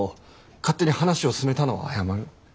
勝手に話を進めたのは謝る。